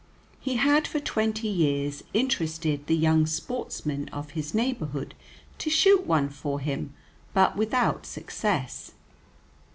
He had for twenty years interested the young sportsmen of his neighborhood to shoot one for him, but without success.